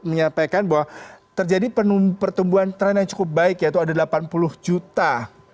menyampaikan bahwa terjadi pertumbuhan tren yang cukup baik yaitu ada delapan puluh juta